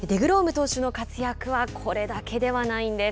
投手の活躍はこれだけではないんです。